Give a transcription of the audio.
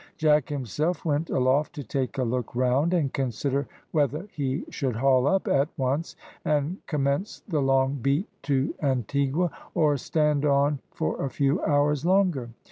Jack himself went aloft to take a look round, and consider whether he should haul up at once, and commence the long beat to Antigua, or stand on for a few hours longer.